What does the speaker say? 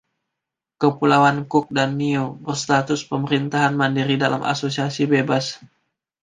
Kepulauan Cook dan Niue berstatus "pemerintahan mandiri dalam asosiasi bebas".